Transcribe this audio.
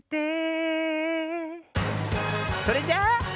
それじゃあ。